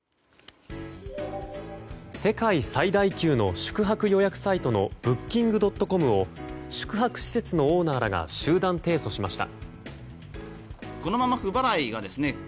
世界最大級の宿泊予約サイトのブッキングドットコムを宿泊施設のオーナーらが集団提訴しました。